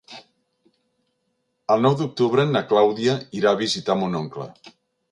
El nou d'octubre na Clàudia irà a visitar mon oncle.